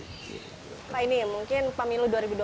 pak ini mungkin pemilu dua ribu dua puluh empat